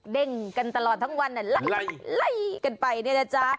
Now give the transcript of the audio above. เด้งกันตลอดทั้งวันไล่ไล่กันไปเนี่ยนะจ๊ะ